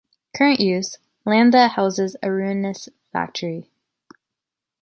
Current Use: Land that houses a ruinous factory.